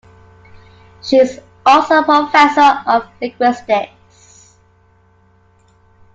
She is also a professor of linguistics.